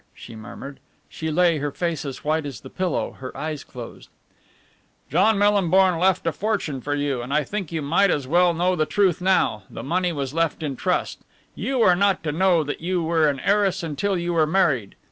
she murmured. She lay, her face as white as the pillow, her eyes closed. "John Millinborn left a fortune for you and I think that you might as well know the truth now the money was left in trust. You were not to know that you were an heiress until you were married.